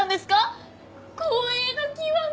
光栄の極み！